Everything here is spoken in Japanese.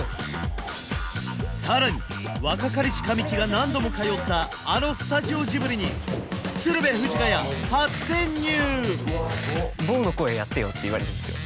さらに若かりし神木が何度も通ったあのスタジオジブリに鶴瓶藤ヶ谷初潜入！って言われるんすよ